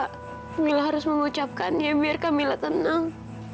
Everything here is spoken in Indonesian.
kamu harus mengucapkannya biar kamila tenang